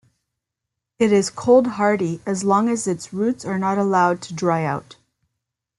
It is cold-hardy as long as its roots are not allowed to dry out.